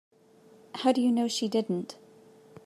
How do you know she didn't?